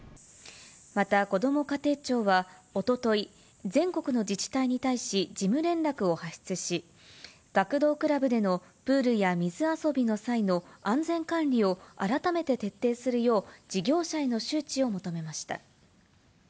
また、こども家庭庁はおととい、全国の自治体に対し事務連絡を発出し、学童クラブでのプールや水遊びの際の安全管理を改めて徹底するよう事業者への周知を求めました。